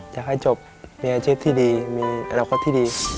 อยากให้จบมีอาชีพที่ดีมีอนาคตที่ดี